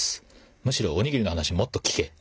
「むしろおにぎりの話もっと聞け！」ですね。